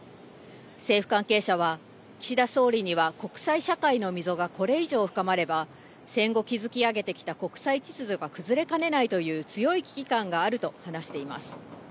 政府関係者は岸田総理には国際社会の溝がこれ以上深まれば戦後築き上げてきた国際秩序が崩れかねないという強い危機感があると話しています。